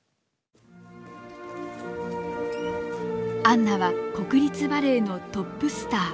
Ｈｅｌｌｏ．アンナは国立バレエのトップスター。